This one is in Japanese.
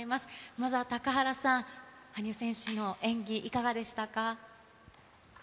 まずは高原さん、羽生選手の演技、いかがでしたか？